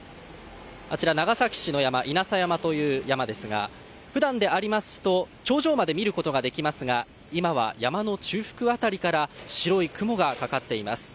あちら、長崎市の山稲佐山という山ですが普段でありますと頂上まで見ることができますが今は山の中腹辺りから白い雲がかかっています。